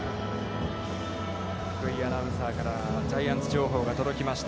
福井アナウンサーからジャイアンツ情報が届きました。